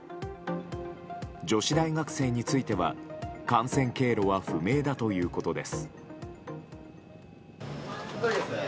女子大学生については感染経路は不明だということです。